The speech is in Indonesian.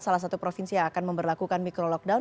salah satu provinsi yang akan memperlakukan micro lockdown